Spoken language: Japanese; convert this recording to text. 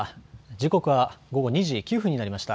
時刻は午後２時９分になりました。